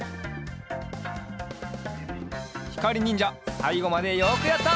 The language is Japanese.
ひかりにんじゃさいごまでよくやった！